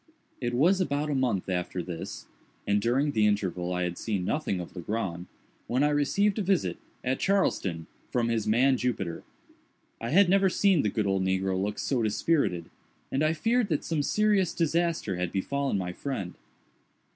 It was about a month after this (and during the interval I had seen nothing of Legrand) when I received a visit, at Charleston, from his man, Jupiter. I had never seen the good old negro look so dispirited, and I feared that some serious disaster had befallen my friend.